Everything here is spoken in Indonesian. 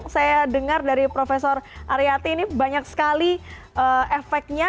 saya dengar dari prof aryati ini banyak sekali efeknya